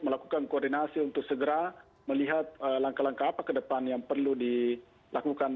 melakukan koordinasi untuk segera melihat langkah langkah apa ke depan yang perlu dilakukan